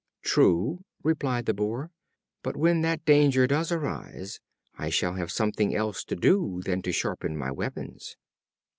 "True," replied the Boar; "but when that danger does arise, I shall have something else to do than to sharpen my weapons."